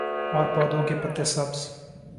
اور پودوں کے پتے سبز